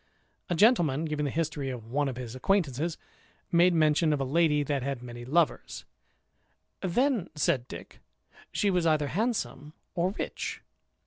A gentleman giving the history of one of his acquaintance, made mention of a lady that had many lovers: "Then," said Dick, "she was either handsome or rich."